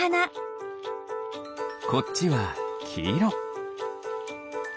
こっちはきいろ。